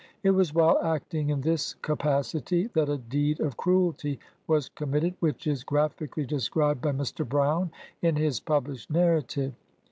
It was while acting in this capacity, that a deed of cruelty was committed, which is graphically described by Mr. Brown in his published narrative.